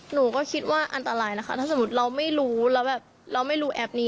หนูก็คิดว่าอันตรายนะคะถ้าสมมุติเราไม่รู้แล้วแบบเราไม่รู้แอปนี้